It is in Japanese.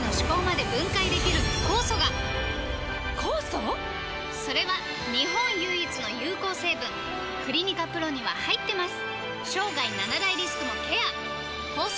酵素⁉それは日本唯一の有効成分「クリニカ ＰＲＯ」には入ってます！